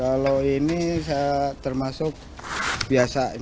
kalau ini saya termasuk biasa